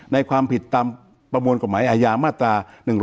ความผิดตามประมวลกฎหมายอาญามาตรา๑๑๒